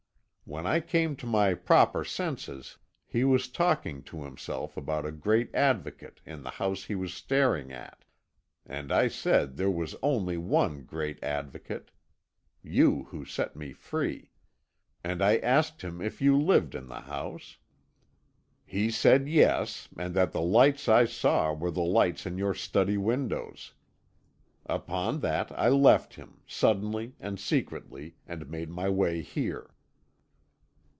When I came to my proper senses he was talking to himself about a great Advocate in the house he was staring at, and I said there was only one great Advocate you who set me free and I asked him if you lived in the house. He said yes, and that the lights I saw were the lights in your study windows. Upon that I left him, suddenly and secretly, and made my way here."